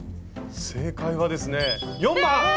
正解はですね４番！え！